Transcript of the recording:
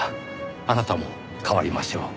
あなたも変わりましょう」。